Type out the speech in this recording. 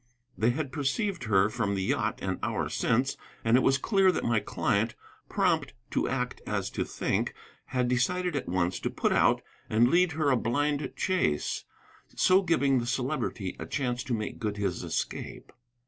They had perceived her from the yacht an hour since, and it was clear that my client, prompt to act as to think, had decided at once to put out and lead her a blind chase, so giving the Celebrity a chance to make good his escape.